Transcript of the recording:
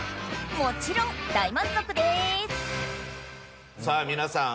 もちろん大満足です皆さん